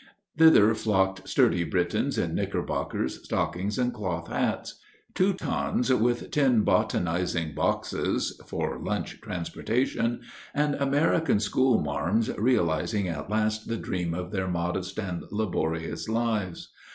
Thither flocked sturdy Britons in knickerbockers, stockings, and cloth caps, Teutons with tin botanizing boxes (for lunch transportation), and American school marms realizing at last the dream of their modest and laborious lives.